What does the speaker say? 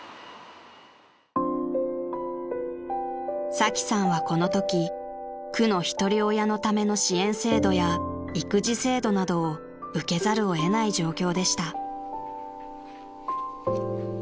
［サキさんはこのとき区のひとり親のための支援制度や育児制度などを受けざるを得ない状況でした］